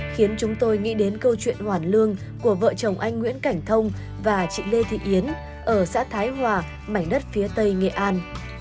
khiến chúng tôi nghĩ đến câu chuyện hoàn lương của vợ chồng anh nguyễn cảnh thông và chị lê thị yến ở xã thái hòa mảnh đất phía tây nghệ an